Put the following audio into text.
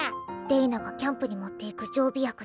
れいながキャンプに持っていく常備薬です。